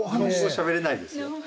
しゃべれないですよ。